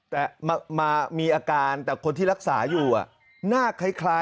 แต่มามีอาการแต่คนที่รักษาอยู่หน้าคล้าย